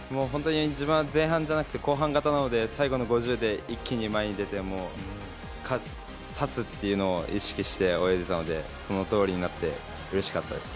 自分は前半じゃなくて後半型なので最後の５０で一気に前に出て差すっていうのを意識して泳いでいたのでそのとおりになってうれしかったです。